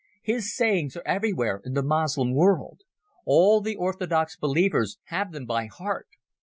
His sayings are everywhere in the Moslem world. All the orthodox believers have them by heart.